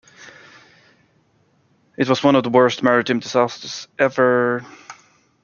It was one of the worst maritime disasters ever.